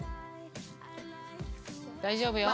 大丈夫よ